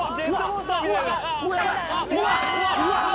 うわ！